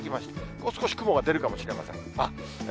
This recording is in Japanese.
もう少し雲が出るかもしれません。